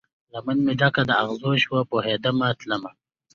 لمن مې ډکه د اغزو شوه، پوهیدمه تلمه